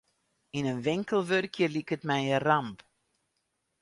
Yn in winkel wurkje liket my in ramp.